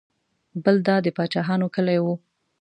بل دا د پاچاهانو کلی و.